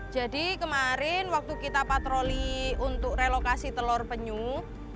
jadi kemarin waktu kita patroli untuk relokasi telur penyuh